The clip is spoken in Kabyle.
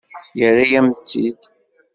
Yerra-yam-tt-id.